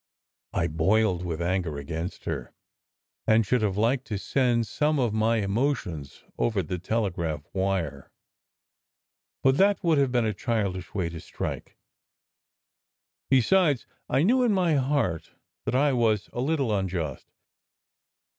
I boiled with anger against her, and should have liked to send some of my emotions over the telegraph wire, but 150 SECRET HISTORY 151 that would have been a childish way to strike. Besides, I knew in my heart that I was a little unjust.